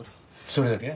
それだけ？